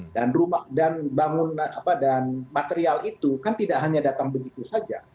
dan material itu kan tidak hanya datang begitu saja